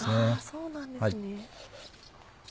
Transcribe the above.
そうなんですね。